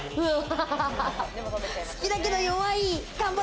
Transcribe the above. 好きだけれども弱い。